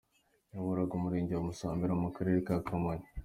Yayoboraga Umurenge wa Musambira mu Karere ka Kamonyi.